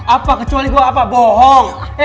apa kecuali gue apa bohong